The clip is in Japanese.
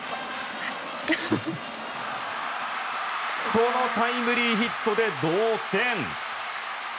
このタイムリーヒットで同点。